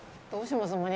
どうします？